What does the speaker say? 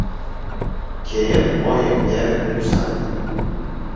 Keyin oyimga yuzlandi.